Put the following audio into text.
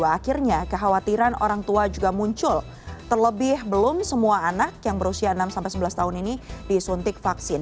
akhirnya kekhawatiran orang tua juga muncul terlebih belum semua anak yang berusia enam sebelas tahun ini disuntik vaksin